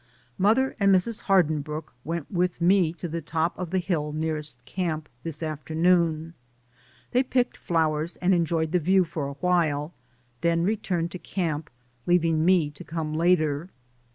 Mother and Mrs. Hardinbrooke went with me to the top of the hill nearest camp this afternoon. They picked flowers and enjoyed the view for a while, then returned to camp, DAYS ON THE ROAD. 139 leaving me to come later.